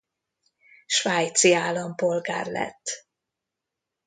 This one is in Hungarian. Svájci állampolgár lett.